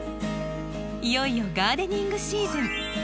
いよいよガーデニングシーズン！